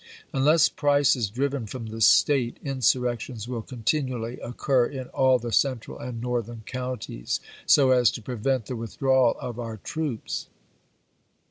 Unless Price is driven from the State insurrections will continually occur in all the Mccfemi*n, central and northern counties, so as to prevent i862^°w*'r. the withdrawal of our troops."